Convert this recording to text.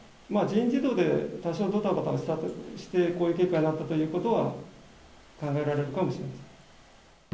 人事異動で多少ドタバタはして、こういう結果になったということは考えられるかもしれません。